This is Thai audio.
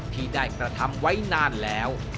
ที่ได้กระทำไว้นานแล้ว